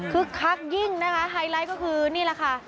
คักยิ่งนะคะไฮไลท์ก็คือนี่แหละค่ะ